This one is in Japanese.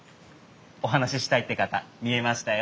お話したいって方見えましたよ。